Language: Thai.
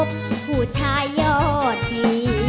ว่าพบผู้ชายยอดเท